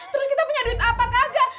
terus kita punya duit apa enggak